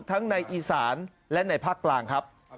ในอีสานและในภาคกลางครับ